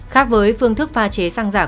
khác với phương thức pha chế xăng giả